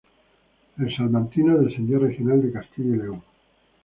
El Salmantino descendió a regional de Castilla y León.